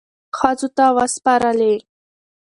ښځو ته وسپارلې،